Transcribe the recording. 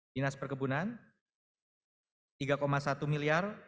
dinas perkebunan rp tiga satu miliar